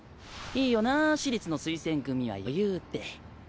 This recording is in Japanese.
いいよな私立の推薦組は余裕で。